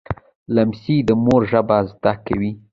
لمسی د مور ژبه زده کوي.